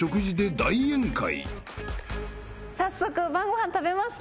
早速晩ご飯食べますか。